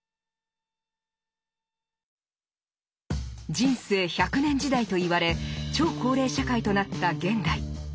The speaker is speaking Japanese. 人生１００年時代といわれ超高齢社会となった現代。